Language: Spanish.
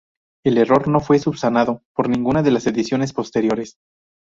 El error no fue subsanado por ninguna de las ediciones posteriores.